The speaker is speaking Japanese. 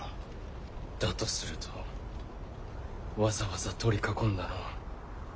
だとするとわざわざ取り囲んだのは。